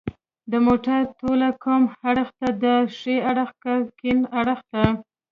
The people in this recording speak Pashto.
د موټر توله کوم اړخ ته ده ښي اړخ که کیڼ اړخ ته